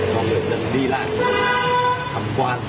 cho người dân đi lại thăm quan